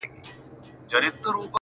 په دريو مياشتو كي به ډېر كم بې لاسونو.!